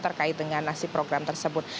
terkait dengan nasib program tersebut